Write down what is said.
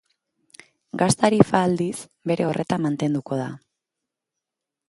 Gas tarifa, aldiz, bere horretan mantenduko da.